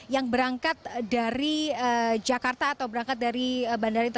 yang berangkat dari jakarta atau berangkat dari bandara internasional